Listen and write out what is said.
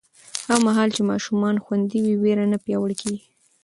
هغه مهال چې ماشومان خوندي وي، ویره نه پیاوړې کېږي.